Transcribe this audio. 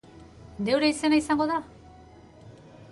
Neure izena izango da?